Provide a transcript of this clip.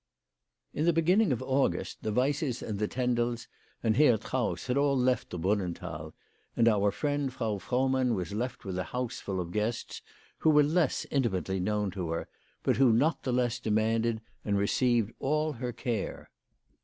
IN the beginning of August, the Weisses and the Ten dels and Herr Trauss had all left the Brunnenthal, and our friend Frau Frohmann was left with a house full of guests who were less intimately known to her, but who not the less demanded and received all her care.